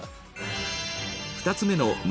２つ目の胸